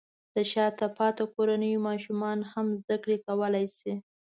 د شاته پاتې کورنیو ماشومان هم زده کړې کولی شي.